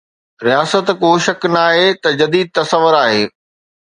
رياست ڪو شڪ ناهي ته جديد تصور آهي.